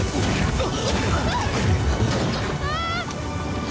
あっ。